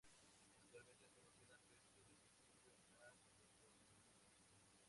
Actualmente, solo quedan restos del castillo en la toponimia.